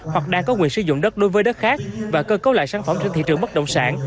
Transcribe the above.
hoặc đang có quyền sử dụng đất đối với đất khác và cơ cấu lại sản phẩm trên thị trường bất động sản